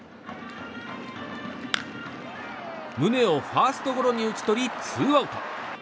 宗をファーストゴロに打ち取りツーアウト。